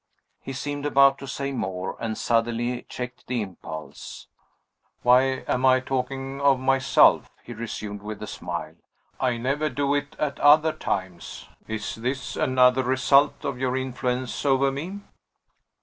He seemed about to say more, and suddenly checked the impulse. "Why am I talking of myself?" he resumed with a smile. "I never do it at other times. Is this another result of your influence over me?"